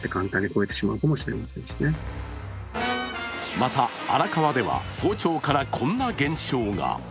また、荒川では早朝からこんな現象が。